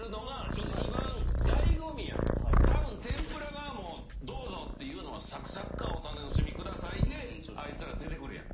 たぶん天ぷらが「どうぞ」っていうのは「さくさく感をお楽しみください」であいつら出てくるやん。